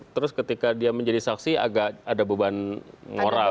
terus ketika dia menjadi saksi agak ada beban moral